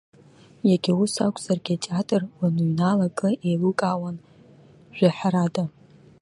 Иагьа ус акәзаргьы, атеатр уаныҩнала акы еилукаауан жәаҳәарада.